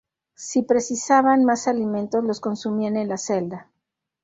Si precisaban más alimentos, los consumían en la celda.